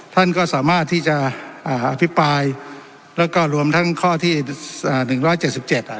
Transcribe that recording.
ท่านก็สามารถที่จะอ่าอภิปรายแล้วก็รวมทั้งข้อที่อ่าหนึ่งร้อยเจ็ดสิบเจ็ดอ่ะ